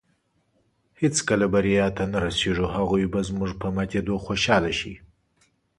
هېڅکله بریا ته نۀ رسېږو. هغوی به زموږ په ماتېدو خوشحاله شي